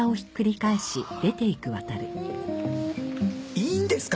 いいんですか？